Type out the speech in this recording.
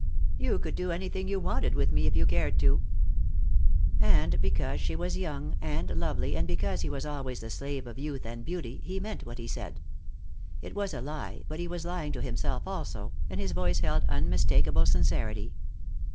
You could do anything you wanted with me, if you cared to." And because she was young and lovely, and because he was always the slave of youth and beauty, he meant what he said. It was a lie, but he was lying to himself also, and his voice held unmistakable sincerity.